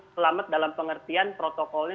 selamat dalam pengertian protokolnya